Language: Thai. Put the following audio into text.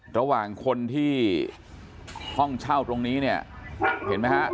ระหว่างคนที่ห้องเช่าตรงนี้เนี่ยเห็นไหมฮะ